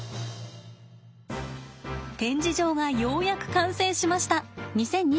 展示場がようやく完成しました。